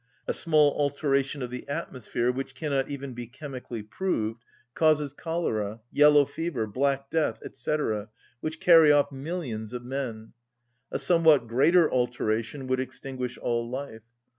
A small alteration of the atmosphere, which cannot even be chemically proved, causes cholera, yellow fever, black death, &c., which carry off millions of men; a somewhat greater alteration would extinguish all life.